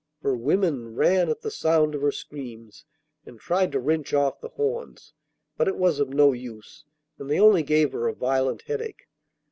Her women ran at the sound of her screams, and tried to wrench off the horns, but it was of no use, and they only gave her a violent headache.